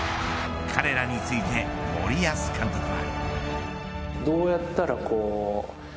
彼らについて、森保監督は。